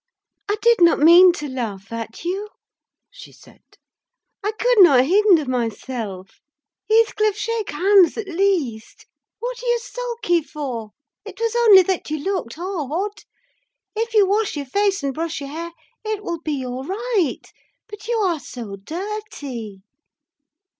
"I did not mean to laugh at you," she said; "I could not hinder myself: Heathcliff, shake hands at least! What are you sulky for? It was only that you looked odd. If you wash your face and brush your hair, it will be all right: but you are so dirty!"